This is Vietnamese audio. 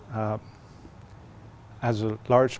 có một nơi nâng cao